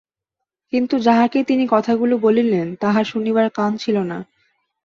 কিন্তু যাঁহাকে তিনি কথাগুলি বলিলেন, তাঁহার শুনিবার কান ছিল না।